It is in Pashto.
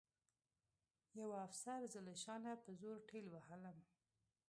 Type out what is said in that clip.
یوه افسر زه له شا نه په زور ټېل وهلم